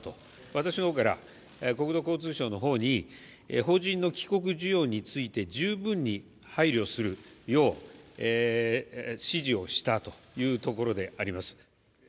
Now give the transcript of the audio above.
私のほうから、国土交通省のほうに、邦人の帰国需要について十分に配慮するよう、指示をしたというところであります。